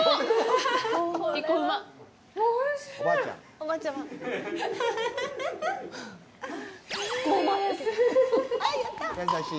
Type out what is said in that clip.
おいしい！